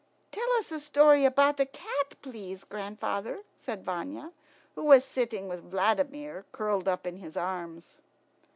"Tell us a story about a cat, please, grandfather," said Vanya, who was sitting with Vladimir curled up in his arms.